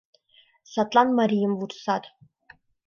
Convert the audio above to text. Садлан марийым вурсат: